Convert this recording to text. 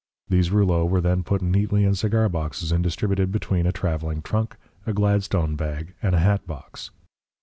These rouleaux were then put neatly in cigar boxes and distributed between a travelling trunk, a Gladstone bag, and a hatbox.